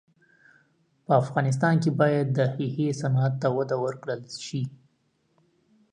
په افغانستان کې باید د ښیښې صنعت ته وده ورکړل سي.